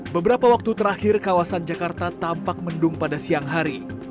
beberapa waktu terakhir kawasan jakarta tampak mendung pada siang hari